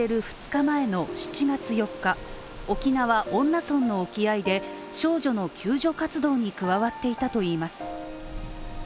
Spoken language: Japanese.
２日前の７月４日沖縄・恩納村の沖合で少女の救助活動に加わっていたといいます。